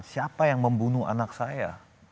siapa yang membunuh anak saya